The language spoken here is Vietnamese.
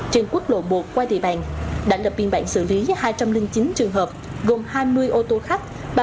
trên quốc lộ một qua địa bàn đã lập biên bản xử lý hai trăm linh chín trường hợp gồm hai mươi ô tô khách